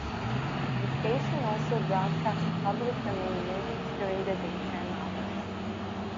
The station also broadcast public domain movies during the daytime hours.